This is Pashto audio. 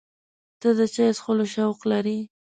ته د چای څښلو شوق لرې؟